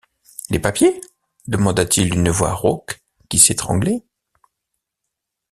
Les papiers? demanda-t-il d’une voix rauque, qui s’étranglait.